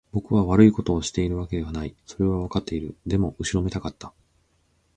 僕は悪いことをしているわけではない。それはわかっている。でも、後ろめたかった。